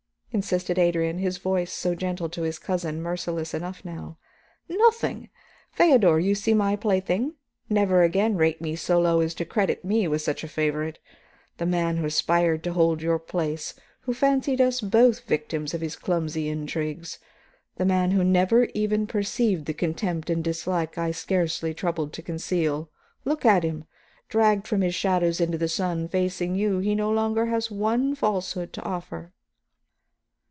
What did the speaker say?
insisted Adrian, the voice so gentle to his cousin, merciless enough now. "Nothing? Feodor, you see my plaything; never again rate me so low as to credit me with such a favorite. The man who aspired to hold your place; who fancied us both victims of his clumsy intrigues; the man who never even perceived the contempt and dislike I scarcely troubled to conceal, look at him. Dragged from his shadows into the sun, facing you, he has no longer one falsehood to offer."